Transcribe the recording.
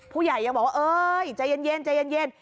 ผู้ใหญ่ยังบอกว่าเอ๊ยใจเย็น